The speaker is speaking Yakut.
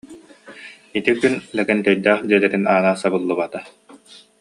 Ити күн лэгэнтэйдээх дьиэлэрин аана сабыллыбата